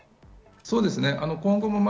そうですね。